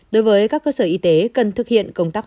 đối với các cơ sở y tế cần thực hiện công tác